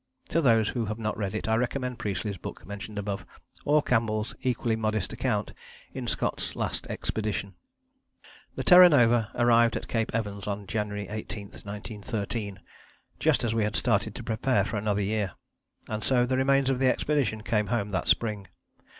To those who have not read it I recommend Priestley's book mentioned above, or Campbell's equally modest account in Scott's Last Expedition. The Terra Nova arrived at Cape Evans on January 18, 1913, just as we had started to prepare for another year. And so the remains of the expedition came home that spring.